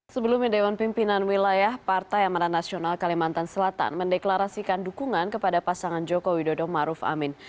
sebelumnya dewan pimpinan wilayah partai amanat nasional kalimantan selatan mendeklarasikan dukungan kepada pasangan joko widodo maruf amin